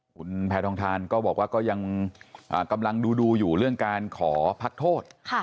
คุณแพทย์ทองทานก็บอกกำลังดูอยู่เรื่องการขอพักโทษ